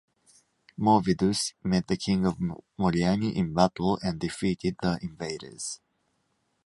Morvidus met the king of Moriani in battle and defeated the invaders.